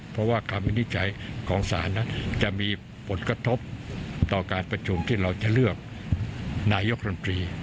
เพราะว่าคำวินิจฉัยของศาลนั้นจะมีผลกระทบต่อการประชุมที่เราจะเลือกนายกรมตรี